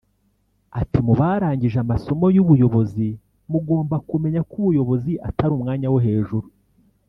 Ati “ Mu barangije amasomo y’ubuyobozi mugomba kumenya ko ubuyobozi atari umwanya wo hejuru